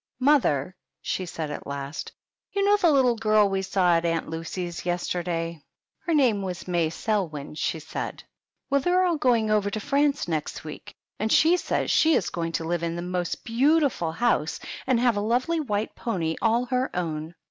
"Mother," she said, at last, "you know the little girl we saw at Aunt Lucy's yesterday, — 9 PEGGY THE PIG. her name was May Selwyn, she said. Well, J they're all going over to France next week ; I and she says she is going to live in the moat I beautiful house and have a lovely white all ter own."